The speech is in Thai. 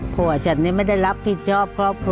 ผัวฉันนี่ไม่ได้รับผิดชอบครอบครัว